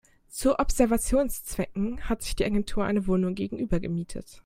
Zu Observationszwecken hat sich die Agentur eine Wohnung gegenüber gemietet.